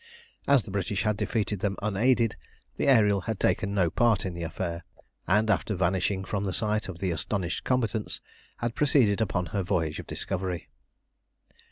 As the British had defeated them unaided, the Ariel had taken no part in the affair, and, after vanishing from the sight of the astonished combatants, had proceeded upon her voyage of discovery.